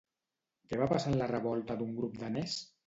Què va passar en la revolta d'un grup danès?